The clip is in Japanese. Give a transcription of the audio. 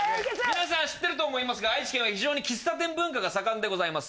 皆さん知ってると思いますが愛知県は非常に喫茶店文化が盛んでございます。